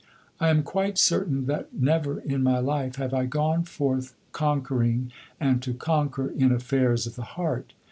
I am quite certain that never in my life have I gone forth conquering and to conquer in affairs of the heart.